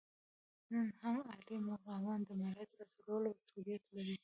نن هم عالي مقامان د مالیاتو راټولولو مسوولیت لري.